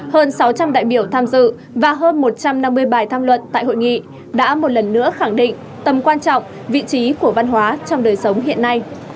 hơn sáu trăm linh đại biểu tham dự và hơn một trăm năm mươi bài tham luận tại hội nghị đã một lần nữa khẳng định tầm quan trọng vị trí của văn hóa trong đời sống hiện nay